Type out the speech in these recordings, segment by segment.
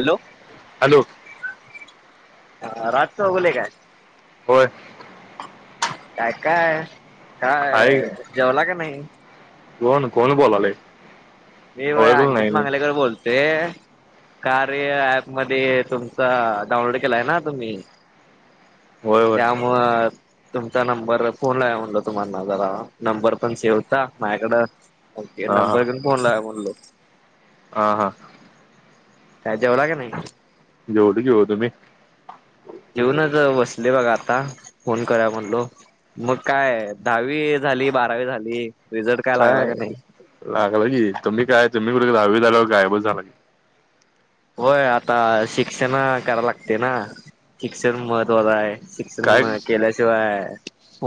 Hello. Hello. Raj Chougule काय? होय. काय काय आहे काय जेवला का नाही? कोण कोण बोलालय? मी व्हय ओळखलं नाही अंकित मी मंगलेकर बोलते. कार्य ऍप मध्ये तुमचा डाउनलोड केलाय ना तुम्ही. होय होय. म [unintelligible] तुमचा नंबर फोन लाऊया तुम्हाला जरा नंबर पण सेव्ह होता माझ्याकड. ओके हा नंबर घेऊन फोन लावूया म्हणल. आहा. काय जेवला का नाही? जेवलो जेवलो मी. जेवूनच बसले बघा आता फोन करावा म्हणलो. मग काय दहावी झाली बारावी झाली रिझल्ट काय लागला का नाही? लागलं की तुम्ही काय तुम्ही कुठ दहावी झाल्यावर गायब झाला व्हय आता शिक्षण कराव लागते ना शिक्षण महत्त्वाच आहे. काय शिक्षण केल्याशिवाय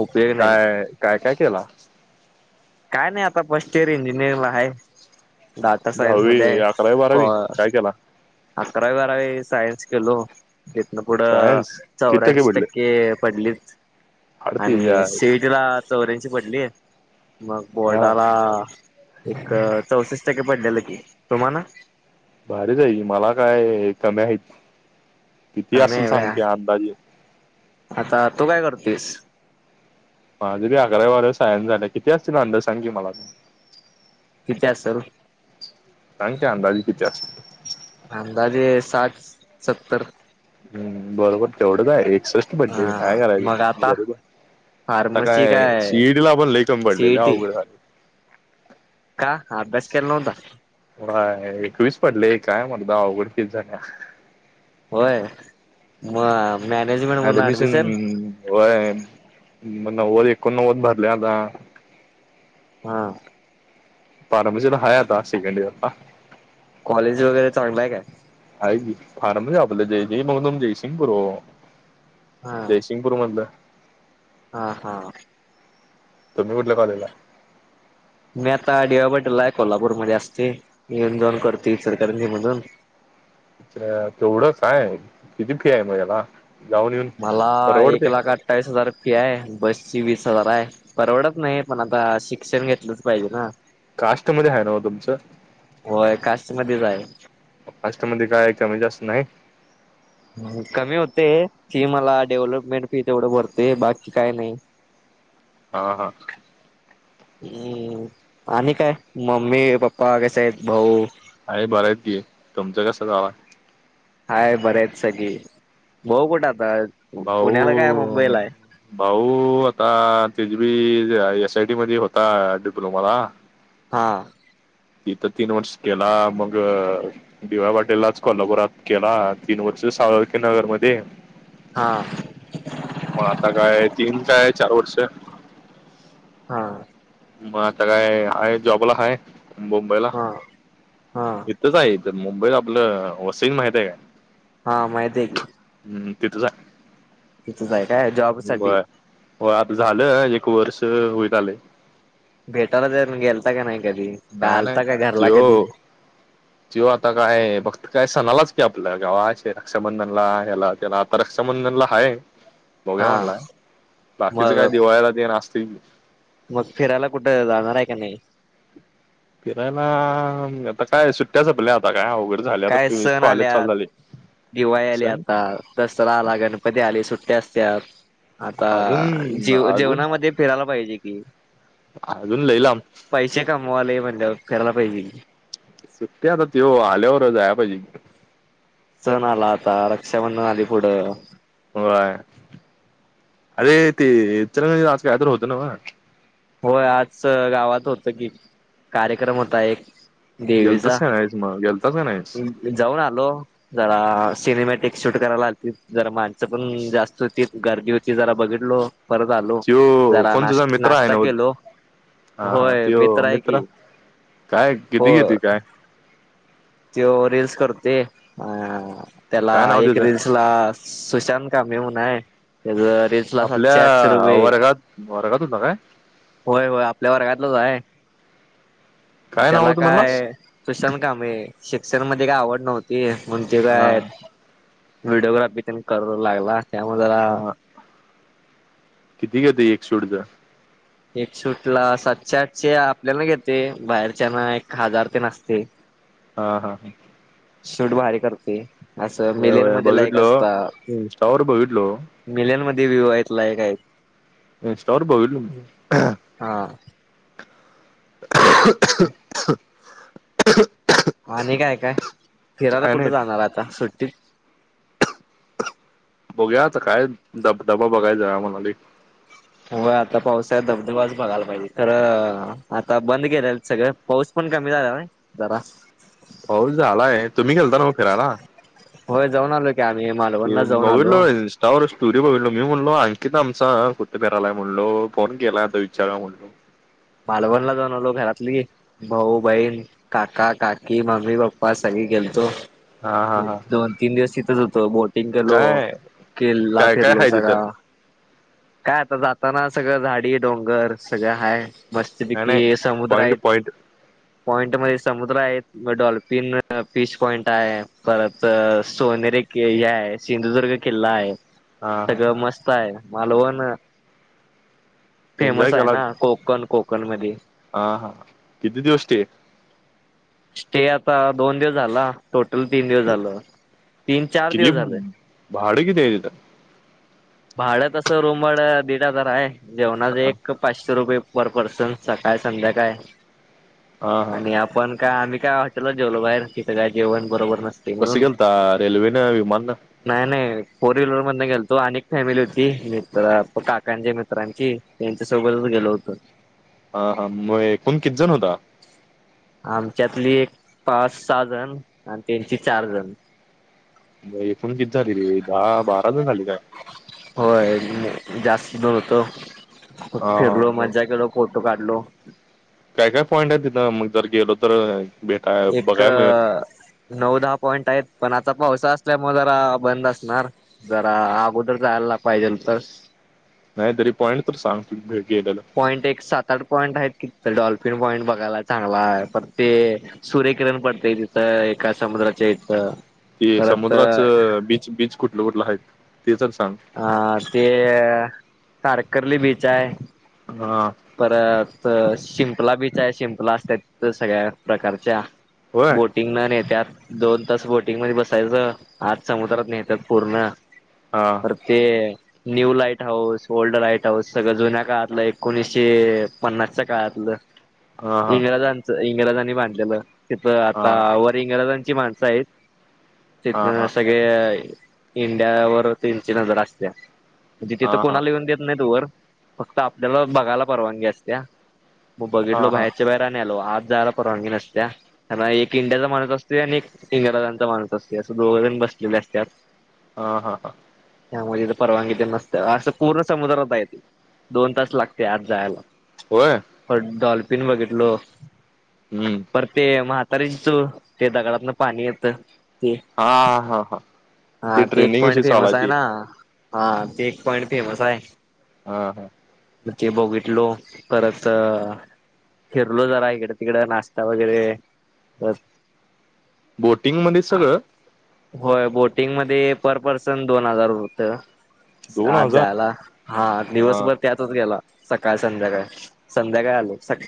उपयोग नाही काय काय काय केला? काय नाही आता फर्स्ट इयर इंजिनिअरिंग ला आहे दाटासाहेब मध्ये दहावी आहे अकरावी क बारावी काय केला अकरावी बारावी सायन्स केेलो. इथन पुुढं सायन्स किती चौऱ्याशी पडले टक्के पडलीच आणि अडतीस [unintelligible] चौऱ्याशी पडलेत मग हा बोर्डाला एक चौंसष्ट टक्के पडलेलं की तुम्हाला? भारीच हाय की मला काय कमी आहेत किती कमी असल आहे व्हय. सांगते अंदाजे आता तू काय करतोयस? माझ बी अकरा-बारावी सायन्स झालं किती असतील अंदाजे सांग कि मला पण. किती असाव? सांग की अंदाजे किती असतील? अंदाजे साठ सत्तर?? हम बरोबर तेवढंच आहे एकसष्ट भेटले हा काय करायच मग आता मरूदे. आता काय सी ई टी ला पण लय कमी पडलेले लय सीईटी अवघड हाय. का अभ्यास केला नव्हता? हा एकविस पडले काय मर्दा अवघड फिल झालं. होय. म मॅनेजमेंट म्हणून ऍडमिशन होय. म नव्वद एकोणनव्वद भरले आता. हां. फार्मसीत हाय आता सेकंड इयरला. कॉलेज वगैरे चांगलाय काय? हाय की, फार नही. जापलं जय जय मधून जयसिंग पुुरववा. जेसी सिंगपूर मधलं. हां हां. तुम्ही कुठल्या कॉलेजला? [inaudible] मी आता डी वाय पाटीलला आहे, कोल्हापूरमध्ये असते. येऊन जाऊन करते इचलकरंजी मधून. अ तेवढंच आहे. किती फी आहे मग त्याला? मला एक लाख अठ्ठावीस हजार फी आहे. बस ची वीस हजार आहे. परवडत नाही, पण आता शिक्षण घेतलंच पाहिजे ना. कास्ट मध्ये हाय नवं तुमचं? होय कास्ट मध्येच कास्ट मध्ये काय याच्यामुळे जास्त नाही. हं. कमी होते फी मला डेव्हलपमेंट फी तेवढं भरते बाकी काय नाही. [inaudible] हा हा. हं. आणि काय मम्मी पप्पा कसे आहेत, भाऊ? आहे बरं आहेत की. तुमचं कसं आहे भावा? हाय बरंयेत सगळी. भाऊ कुठ आता? पुण्याला काय भाऊ मुंबईला आहे भाऊ आता तेज बी एस आय टी मध्ये होता डिप्लोमाला. हा. तिथ तीन वर्ष केला. मग डी वाय पाटीललाच कोल्हापुरात केला तीन वर्ष साळुंकेनगर मध्ये. हां. म आता काय तीन काय चार वर्ष हां, म आता काय आहे, जॉबला हाय मुंबईला. हा हा इथचं आहे त मुंबईत आपलं वसई माहित आहे काय? हा माहितीये की. हं, तिथंच हाय. तिथंच आहे काय जॉब साठी [unintelligible] हो आता झालं एक वर्ष होईत आलंय. भेटायला काय म गेलता का नाही कधी? का नाही नाही आलता का घरला कधी? त्यो त्यो आता काय फक्त काय सणालाच की आपलं गावा. अस रक्षाबंधनला ह्याला त्याला. रक्षाबंधनला हाय, बघुया हा म्हणला. बाकीच काय मग दिवाळला ते न असतील की. मग फिरायला कुठं जाणार आहे का नाही? फिरायला अं आता काय सुट्टी या संपल्या आता काय अवघड झालंय. आता काय सण कॉलेज चालू आल्यात झालंय. दिवाळी आली आता दसरा आला, गणपती आले सुट्ट्या असत्यात. आता अजून जेव अजून जीवणामध्ये फिरायला पाहिजे की. अजून लई लांब पैसे कमवायला म्हणल्याव फिरायला पाहिजे की. सुट्टी आता तो आल्यावर जाय पाहिजे. सण आला आता रक्षाबंधन आली पुढं होय अरे ते चर आज काय तर होतं ना म होय आज गावात होत की कार्यक्रम होता एक देवीचा गेलताच का नाहीस मग गेलताच का नाहीस जाऊन आलो जरा सिनेमॅटिक शूट करायला आलती जरा माणसं पण जास्त होती गर्दी होती जरा बघितलो परत आलो त्यो जरा कोण तुझा नाश्ता मित्र नाश् आहे त नव्ह केलो हा हा होय त्यो मित्र आहे की. काय हो किती घेतोय काय तो रील्स करतो अ त्याला काय नाव एक त्याचं रील्स त्याला सुशांत कामे म्हणून आहे त्यांचं आपल्या वर्गात वर्गात होता काय. होय होय आपल्या वर्गातलंच आहे काय नाव त्याला होतं म्हणलास काय तूशल का म शिक्षण मध्ये काय आवड नव्हती क म्ह ते हा काय व्हिडिओग्राफी तर करू लागला त्यामुळे जरा हा किती घेत एक शेवटचा एक सुूटला सातच्या आठचे आपल्याला घेते बाहेरच्या ना एक हजार ते नासते हा हा हा शूट भारी करते असं वय मेलेन वय मध्ये लायक बघितलो असता इंस्टावर बघितलो मेलन मध्ये व्ह्यू आहेत लायक आहेत स्टॉर भाघल हा आणि काय काय फिरायला काय कुठे नाही जाणार आता सुट्टीत बघू आता काय दब दबा बघाय जा म्हणाली हो आता पावसा धबधबाच बघायला पाहिजे तर आता बंद केलेल सगळं पाऊस पण कमी झाला ना जरा हो झालाय तुम्ही गेलता मग फिरायला होय जाऊन आलो की आम्ही मालवणला जाऊन आलो त्यावर स्टोरी बघलो मी म्हणलो अंकित आमचा कुते फेिरालाय म्हणलो फोन केलाय आता विचारा म्हणलो मालवणला जानवलो घरातली भाऊ बहीण काका काकी मम्मी पप्पा सगळी गेलतो हा हा हा दोन तीन दिवस तिथंच होतो बोट टिंग केलो काय खेल्ला काय काय फिरलो आहे सगळा तिथं काय आता जाताना सगळं झाडी डोंगर सगळं हा काय नाही मस्तपैकी समुद्र पॉइंट आहेत पॉइंट पॉईंट मध्ये समुद्र आहे डॉल्फिन पिच पॉइंट आहे परत सोनेर हे आहे सिंधुदुर्ग किल्ला आहे हा हा सगळं मस्त आहे मालवण एन्जॉय फेमस आहे ना कोकण कोकण मध्ये ह हा किध दिवष्टे स्टे आता दोन दिवस झाला टोटल तीन दिवस झालं तीन चार दिवस झालंय बाडग दे तर भाडत असं रुमड दीड हजार आहे जेवणाच एक पाचशे रुपये पर पर्सन सकाळ संध्याकाळ हा हा आणि आपण का आम्ही का हॉटेलला जेवो बाहेर तिं काय जेवण बरोबर नसते बस म्हणून गंत रेल्वेन विमान नाही, नाही फोर व्हीलर मध गेलतो आणि- फॅमिली होती मित्र काकांची मित्रांची, त्यांच्या सोबतच गेलो होतो. हा हा, मग एकूण कितीजण होता? आमच्यातली एक पाच, सहा जण आणि त्यांची चार जण. एकूण किती झाली रे दहा, बारा जण झाली काय? होय, जास्त ब [unintelligible] हा होत हा फिरलो मग मज्जा केलो- फोटो काढलो- काय, काय पॉईंट आहे तिथं मग जर गेलो तर- भेटाय एक.. बघाय मिळेल - नऊ, दहा पॉईंट आहेत, पण आता पावसा असल्यामुळे जरा बंद असणार- जरा अगोदर जायला पाहिजे होतंस. नाही तरी पॉईंट तर सांग, भेटीली तर. पॉईंट एक सात, आठ पॉईंट आहेत कि, तर डॉल्फिन पॉईंट बघायला चांगला आहे पर ते- सूर्यकिरण पडतय तिथं, एका समुद्राच्या इथं. ते परत समुद्राच बीच, बीच कुठलं, कुठलं आहेत, ते तर सांग? हा, ते तारकर्ली बीच हाय- हा [unintelligible] परत शिंपला बीच आहे, शिंपला असत्यात सगळ्या प्रकारच्या. होय बोटिंगन नेत्यात, दोन तास बोटिंग मध्ये बसायचं- आज समुद्रात नेत्यात पूर्ण. हा. तर ते new lighthouse, old lighthouse सगळं जुन्या काळातलं एकोणीसशे- शे पन्नासच्या काळातलं हा हा इंग्रजांच इंग्रजांनी बांधलेलं- तिथं हा आता वर इंग्रजांची माणसं आहेत, तिथ हा हा हा सा- इंडिया वर त्यांची नजर असत्या, म्हणजे तिथं हा कोणाला येऊन देत- नाहीत वर फक्त आपल्याला बघायला परवानगी असत्या, मग हा बघितल बाहेरच्या बाहेर - आलो आत जायला परवानगी नसत्या- ह एक इंडियाचा माणूस असतोय आणि एक इंग्रजांचा माणूस असतोय, असं दोघ जण बसलेले असत्यात. हा हा हा. त्यामध्ये तर परवानगी ते नसत्या, असं पूर्ण समुद्रात हायत दोन तास लागते आत- जायला. होय. परत डाँल्फिन बघितलो. हम्म. [unintelligible] परत ते, म्हातारीची चूळ ते दगडातन पाणी येतं- ते. हा हा हा हा, ते एक ट्रेनिंग पॉइंट विषयी चालू फेमस आहे ते ना. हा, ते एक पॉइंट फेमस आहे. हा हा. ते बघितलो परत- फिरलो जरा, इकड तिकड नाश्ता वगैरे- बोटिंगमध्येच सगळं? होय, बोटिंगमध्ये पर पर्सन दोन हजार होतं- दोन आत हजार जायला, हा हा दिवसभर त्यातच गेला. सकाळ, संध्याकाळ. संध्याकाळ आलो सका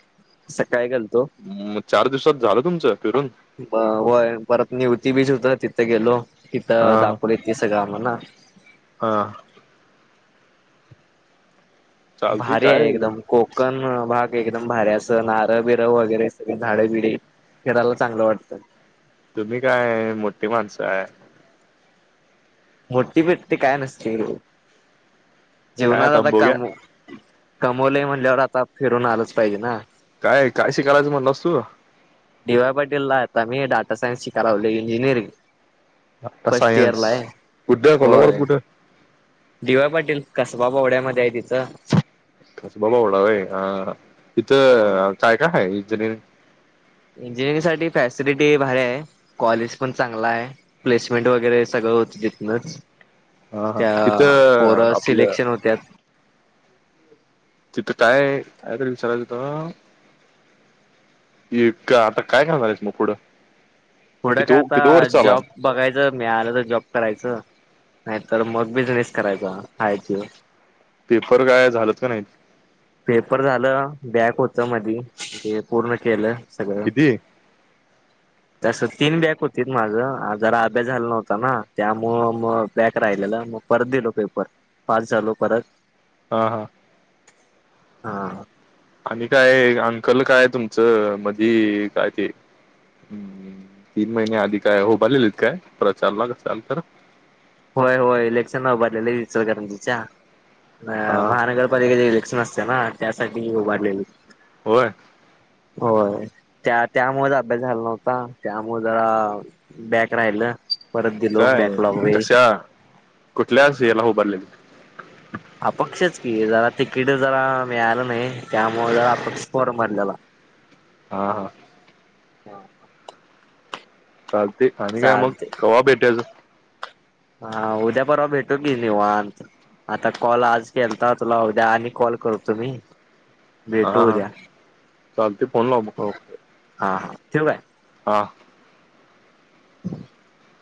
सकाळी गेलतो - हं.. चार दिवसात झालं तुमचं फिरून? ब होय परत निऊती बीच होत तिथं गेलो, हा तिथं हा दाखवलीत ते सगळं आम्हाना. हा. चालते भारी काय आहे एकदम को कन भाग एकदम भारी हाय अस नारळ बिरळ वगैरे सगळी झाडे बिडे फिरायला चांगलं वाटतंय. तुम्ही काय मोठी माणसं हाय. मोठी बिट्टी काय नसतय, काय जीवणात आता बघ्या काम कमवलय म्हणल्यावर आता फिरून आलंच पाहिजे ना. काय काय शिकायलास म्हणलास तु? डी वाय पाटीलला आता मी डाटा सायन्स शिका लागलोय इंजिनिअरिंग. का फर्स्ट सायन्स इयरला हाय, कुठे कोल्हापुरात होय. कुठे डी वाय पाटील कसबा बवड्यामध्ये आहे तिथं. कसबा बावडा व्हय हा, होय तिथं काय काय हाय [unintelligible] इंजिनिअरिंग साठी फॅसिलिटी भारी आहे, कॉलेज पण चांगल आहे. प्लेसमेंट वगैरे सगळं होतं तिथनच. हा हा त्या पोर तिथं आपलं सिलेक्शन होत्यात. तिथं काय, काय तर विचारायचं होत? ईप का आता काय करणार हाईस मग पुढ, पुढं कि- काय कितव आता वर्ष चालू हाय. जॉब बघायचं मिळालं तर जॉब करायचं, नाहीतर मग बिझनेस करायचा हाय त्यो. पेपर काय झालत का नाहीत. पेपर झालं बॅक होत मधी ते पूर्ण केलं सगळ. [inaudible] किती तस तीन बॅक होतीत माझं जरा अभ्यास झाला नव्हता ना त्यामुळं मग बॅक राहिलेलं म परत दिलो पेपर, पास झालो परत. हा हां. आ हा. आणि काय अंकल काय तुमचं मधी काय ते तीन महिने आधी काय उभारलेलीत काय प्रचारला [unintelligible] होय होय इलेक्शनला उभरलेले इचलकरंजीच्या, हा महानगरपालिकेचे इलेक्शन अस चना त्यासाठी उभारलेलीत. होय. होय, त्या- त्यामुळेच अभ्यास झाला नव्हता त्यामुळे जरा बॅक राहिल. काय कशा, कुठल्याच याला उभारलेली अपक्षच की जरा तिकीट जरा मिळालं नाही त्यामुळे जरा अपक्ष फॉर्म भरलेला. हा हा. हा. चालतय आणि काय मग, चालते कवा भेटायचं? हा उद्या परवा भेटू की निवांत. आता कॉल आज केलता तुला उद्या आणि कॉल करतो मी. हा भेटू हा द्या, चालते फोन लाव मग ओके, हा हा ठेऊ काय? हा. [inaudible]